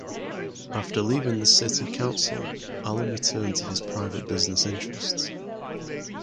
After leaving the City Council, Allan returned to his private business interests.